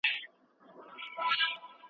بریالي کسان تل په خپلو کارونو خوشحاله وي.